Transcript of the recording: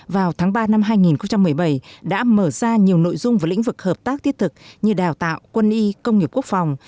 vào tháng ba năm hai nghìn một mươi bảy đã mở ra nhiều nội dung và lĩnh vực hợp tác thiết thực như đào tạo quân y công nghiệp quốc phòng